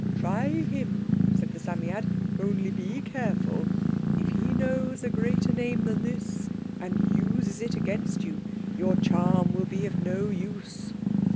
"Try him," said the Psammead, "only be careful. If he knows a greater name than this and uses it against you, your charm will be of no use.